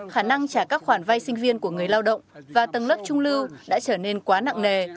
khả năng trả các khoản vai sinh viên của người lao động và tầng lớp trung lưu đã trở nên quá nặng nề